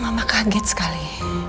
mama kaget sekali